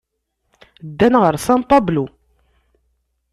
Ddan ɣer San Pablo.